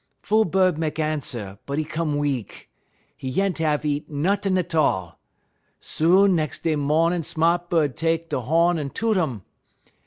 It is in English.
_' "Fool bud mek answer, but 'e come weak; 'e yent hab eat nuttin' 't all. Soon nex' day mornin' sma't bud tek 'e ho'n en toot um.